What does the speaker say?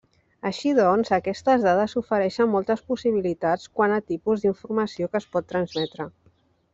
Així doncs, aquestes dades ofereixen moltes possibilitats quant a tipus d'informació que es pot transmetre.